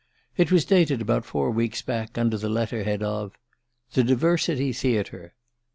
It was dated about four weeks back, under the letter head of "The Diversity Theatre."